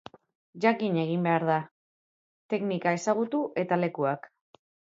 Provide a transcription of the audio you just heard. Jakin egin behar da, teknika ezagutu eta lekuak.